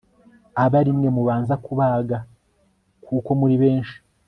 abe ari mwe mubanza kubaga kuko muri benshi